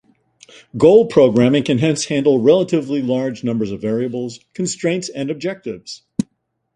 Goal programming can hence handle relatively large numbers of variables, constraints and objectives.